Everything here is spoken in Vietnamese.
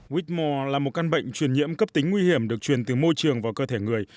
whmore là một căn bệnh truyền nhiễm cấp tính nguy hiểm được truyền từ môi trường vào cơ thể người